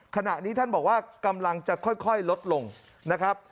ขณะนี้ท่านบอกว่ากำลังจะค่อยลดลงนะครับ